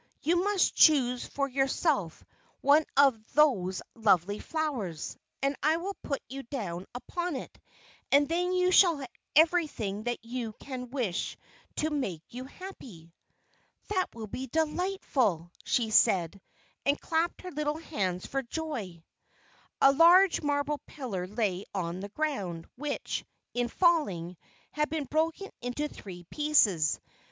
You must choose for yourself one of those lovely flowers, and I will put you down upon it, and then you shall have everything that you can wish to make you happy." "That will be delightful!" she said, and clapped her little hands for joy. A large marble pillar lay on the ground, which, in falling, had been broken into three pieces.